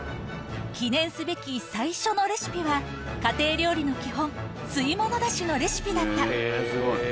記念すべき最初のレシピは、家庭料理の基本、吸い物だしのレシピだった。